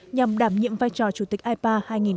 nhằm đảm nhiệm vai trò chủ tịch ipa hai nghìn hai mươi